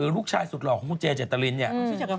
ลูกชายสุดหล่อของคุณเจเจตรินเนี่ย